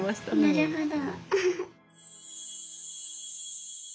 なるほど。